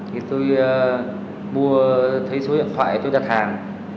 thì tôi mua thấy số điện thoại tôi đặt hàng